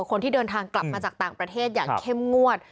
คนที่เดินทางกลับมาจากต่างประเทศอย่างเข้มงวด